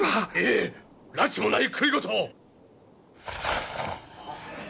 ええらちもない繰り言を！